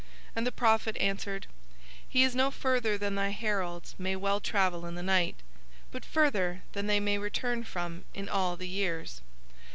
And the prophet answered: "He is no further than thy heralds may well travel in the night, but further than they may return from in all the years.